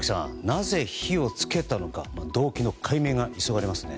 なぜ火を付けたのか動機の解明が急がれますね。